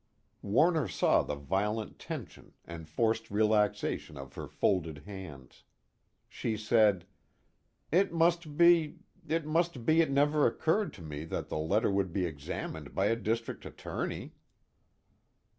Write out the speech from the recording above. Warner saw the violent tension and forced relaxation of her folded hands. She said: "It must be it must be it never occurred to me the letter would be examined by a district attorney."